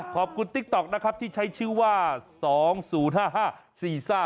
ขอบคุณติ๊กต๊อกนะครับที่ใช้ชื่อว่า๒๐๕๔๕